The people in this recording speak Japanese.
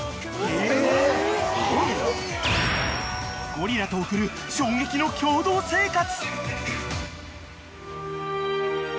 ［ゴリラと送る衝撃の共同生活］